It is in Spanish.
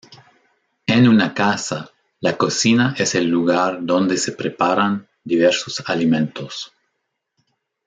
En una casa, la cocina es el lugar donde se preparan diversos alimentos.